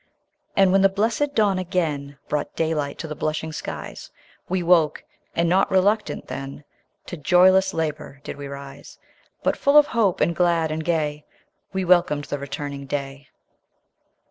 And when the blessed dawn again Brought daylight to the blushing skies, We woke, and not RELUCTANT then, To joyless LABOUR did we rise; But full of hope, and glad and gay, We welcomed the returning day.